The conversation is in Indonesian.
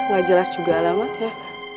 gak jelas juga alamatnya